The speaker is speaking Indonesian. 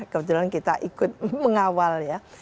kebetulan kita ikut mengawalnya